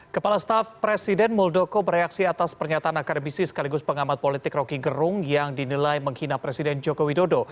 kepala staf presiden muldoko bereaksi atas pernyataan akademisi sekaligus pengamat politik roky gerung yang dinilai menghina presiden joko widodo